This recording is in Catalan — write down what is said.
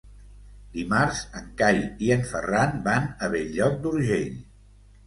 Dimarts en Cai i en Ferran van a Bell-lloc d'Urgell.